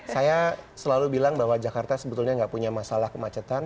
saya selalu bilang bahwa jakarta sebetulnya nggak punya masalah kemacetan